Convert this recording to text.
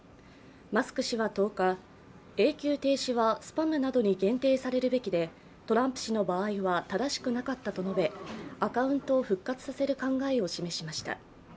マスク氏は１０日、永久停止はスパムなどに限定されるべきでトランプ氏の場合は正しくなかったと述べアカウントを復活させる考えを示しました。